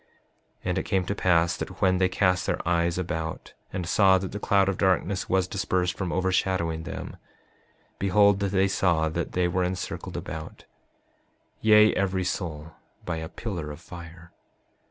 5:43 And it came to pass that when they cast their eyes about, and saw that the cloud of darkness was dispersed from overshadowing them, behold, they saw that they were encircled about, yea every soul, by a pillar of fire.